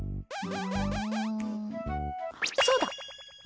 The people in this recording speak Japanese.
そうだ！